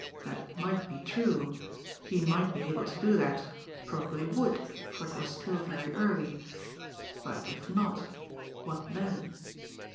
That might be true; he might be able to do that, probably would, for it was still very early; but if not what then?